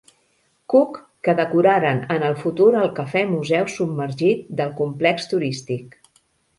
Cook que decoraran en el futur el cafè museu submergit del complex turístic.